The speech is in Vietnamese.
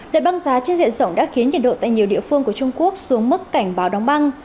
đợt băng giá trên diện rộng đã khiến nhiệt độ tại nhiều địa phương của trung quốc xuống mức cảnh báo đóng băng